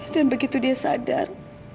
dan begitu dia sadar